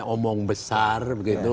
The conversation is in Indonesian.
untuk membuatnya besar begitu